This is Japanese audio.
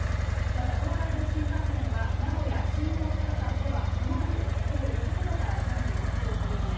また、東海道新幹線は名古屋・新大阪間ではまもなく午後４時ごろから順次、運行取りやめ。